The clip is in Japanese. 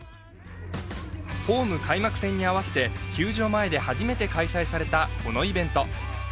ホーム開幕戦に合わせて球場前で初めて開催されたごきイベント。